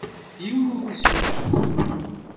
Yiwen ur ismuzgut.